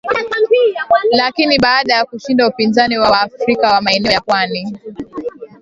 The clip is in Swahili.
lakini baada ya kushinda upinzani wa Waafrika wa maeneo ya pwani